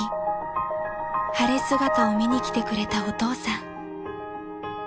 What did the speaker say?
［晴れ姿を見に来てくれたお父さん］